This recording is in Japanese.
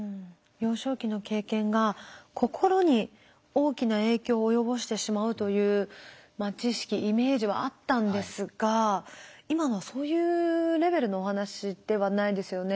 幼少期の経験が心に大きな影響を及ぼしてしまうという知識イメージはあったんですが今のはそういうレベルのお話ではないですよね。